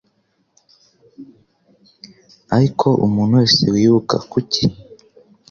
ariko umuntu wese wibuka Kuki?